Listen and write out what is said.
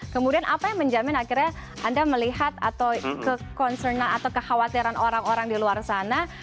kemudian apa yang menjamin akhirnya anda melihat atau kekhawatiran orang orang di luar sana